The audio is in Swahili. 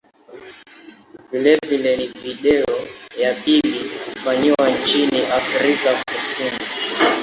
Vilevile ni video ya pili kufanyiwa nchini Afrika Kusini.